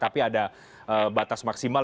tapi ada batas maksimal